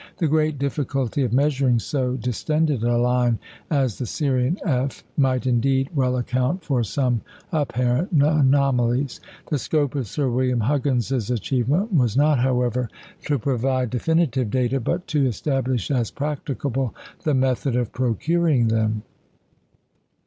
The great difficulty of measuring so distended a line as the Sirian F might, indeed, well account for some apparent anomalies. The scope of Sir William Huggins's achievement was not, however, to provide definitive data, but to establish as practicable the method of procuring them.